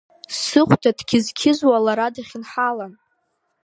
Сыхәда дқьызқьызуа лара дахьынҳалан…